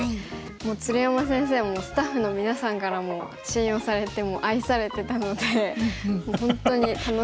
鶴山先生もスタッフの皆さんからも信用されて愛されてたのでもう本当に楽しくて。